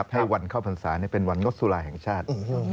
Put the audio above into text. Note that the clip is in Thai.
ให้วันเข้าพรรษาเป็นวันงดสุราแห่งชาติ